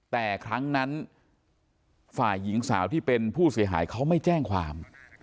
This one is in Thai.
แต่ครั้งนั้นฝ่ายหญิงสาวที่เป็นผู้เสียหายเขาไม่แจ้งความ